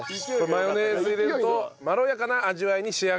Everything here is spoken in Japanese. マヨネーズ入れるとまろやかな味わいに仕上がると。